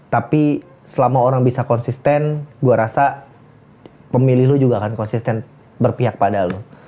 tapi selama orang bisa konsisten gue rasa pemilih lo juga akan konsisten berpihak pada lo